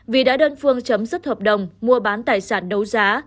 vì đã đơn phương chấm dứt hợp đồng mua bán tài sản đấu giá